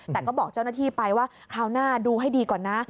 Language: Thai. แต่ก็บอกเจ้าหน้าที่ไปว่าคราวหน้าดูให้ดีก่อนนะ